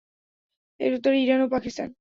এর উত্তরে ইরান ও পাকিস্তান।